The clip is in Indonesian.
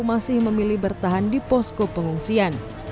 masih memilih bertahan di posko pengungsian